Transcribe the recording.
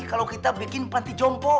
kalau kita bikin panti jompo